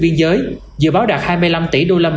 biên giới dự báo đạt hai mươi năm tỷ usd